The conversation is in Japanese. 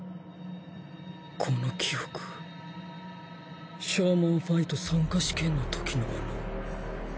この記憶シャーマンファイト参加試験のときのもの。